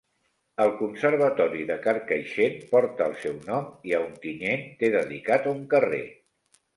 El Conservatori de Carcaixent porta el seu nom, i a Ontinyent té dedicat un carrer.